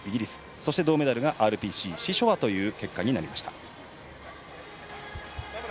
そして銅メダルがＲＰＣシショワという結果になりました。